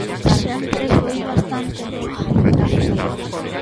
Sempre foi bastante boa.